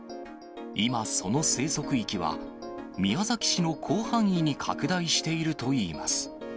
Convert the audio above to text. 今、その生息域は宮崎市の広範囲に拡大しているといいます。